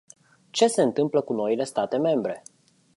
Ce se întâmplă cu noile state membre?